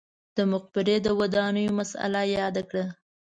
د مقبرې د ودانولو مسئله یاده کړه.